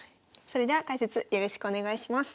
それでは解説よろしくお願いします。